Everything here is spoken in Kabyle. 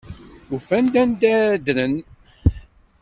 Ufan-d anda ara ddren.